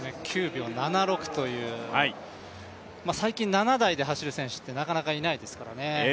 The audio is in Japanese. ９秒７６という最近７台で走る選手なかなかいないですからね。